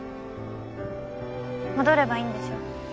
戻ればいいんでしょ。